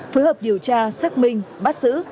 phối hợp điều tra xác minh bắt xử